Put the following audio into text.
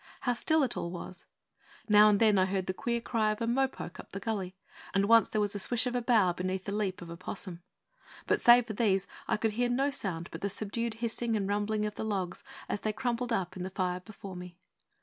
How still it all was! Now and then I heard the queer cry of a mopoke up the gully; and once there was the swish of a bough beneath the leap of a 'possum. But, save for these, I could hear no sound but the subdued hissing and rumbling of the logs as they crumpled up in the fire before me.